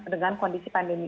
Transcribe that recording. dengan kondisi pandemi